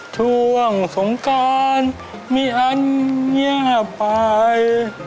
ช่วงสงการมีอันเงียบไป